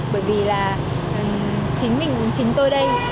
bởi vì là chính mình chính tôi đây